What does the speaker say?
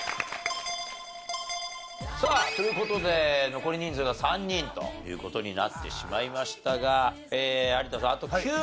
さあという事で残り人数が３人という事になってしまいましたが有田さんあと９問。